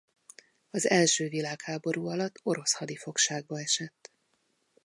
Az első világháború alatt orosz hadifogságba esett.